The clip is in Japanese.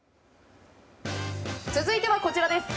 続いてはこちらです。